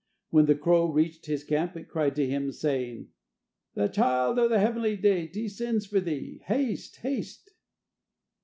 When the crow reached his camp it cried to him, saying: "The child of the heavenly deity sends for thee. Haste! haste!"